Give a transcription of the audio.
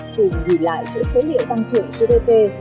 cùng dì lại chỗ số liệu tăng trưởng gdp